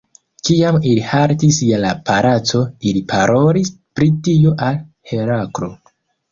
Kiam ili haltis je la palaco, ili parolis pri tio al Heraklo.